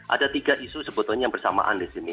ada tiga isu sebetulnya yang bersamaan di sini